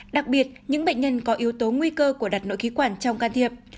đặc biệt những bệnh nhân có yếu tố nguy cơ của đặt nội khí quản trong can thiệp